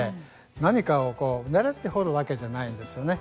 何かをねらって掘るわけじゃないんですよね。